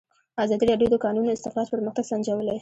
ازادي راډیو د د کانونو استخراج پرمختګ سنجولی.